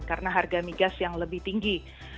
karena harga migas yang lebih tinggi